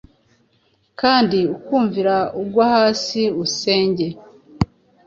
kandi ukumvira, ugwa hasi, unsenge. '